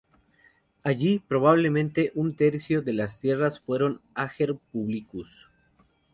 Allí, probablemente, un tercio de las tierras fueron "ager publicus".